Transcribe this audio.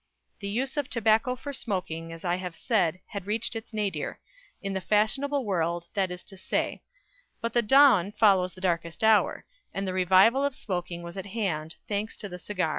The use of tobacco for smoking, as I have said, had reached its nadir in the fashionable world, that is to say but the dawn follows the darkest hour, and the revival of smoking was at hand, thanks to the cigar.